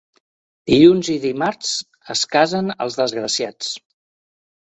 Dilluns i dimarts es casen els desgraciats.